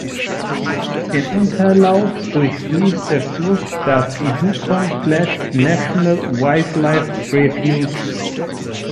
Im Unterlauf durchfließt der Fluss das Yukon Flats National Wildlife Refuge.